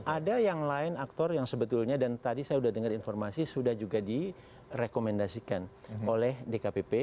ada yang lain aktor yang sebetulnya dan tadi saya sudah dengar informasi sudah juga direkomendasikan oleh dkpp